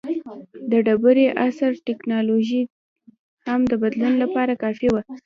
د ډبرې عصر ټکنالوژي هم د بدلون لپاره کافي وه.